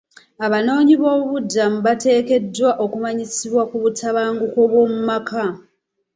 Abanoonyiboobubudamu bateekeddwa okumanyisibwa ku butabanguko bw'omu maka.